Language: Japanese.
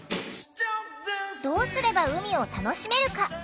どうすれば海を楽しめるか？